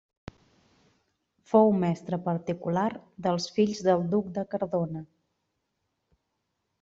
Fou mestre particular dels fills del Duc de Cardona.